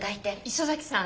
磯崎さん